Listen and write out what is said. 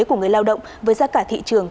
của người lao động với giá cả thị trường